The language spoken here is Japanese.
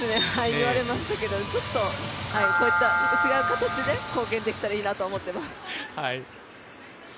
言われましたけど、ちょっと違う形で貢献できたらと思っています。